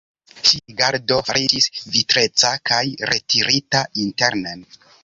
Ŝia rigardo fariĝis vitreca kaj retirita internen.